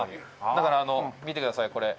だから見てくださいこれ。